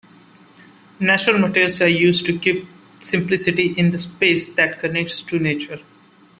Natural materials are used to keep simplicity in the space that connects to nature.